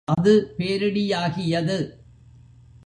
அது பேரிடி யாகியது.